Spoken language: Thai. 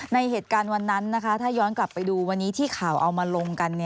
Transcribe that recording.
ในเหตุการณ์วันนั้นถ้าย้อนกลับไปดูวันนี้ที่ข่าวเอามาลงกัน